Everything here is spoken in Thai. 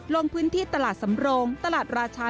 ลงพื้นที่ตลาดสำโรงตลาดราชา